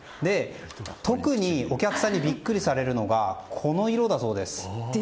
特にお客さんにビックリされるのがこの色だそうです。